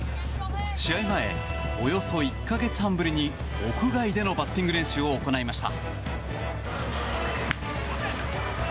試合前、およそ１か月半ぶりに屋外でのバッティング練習を行いました。